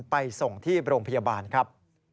ไปส่งที่โรงพยาบาลครับ